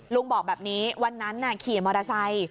บอกแบบนี้วันนั้นขี่มอเตอร์ไซค์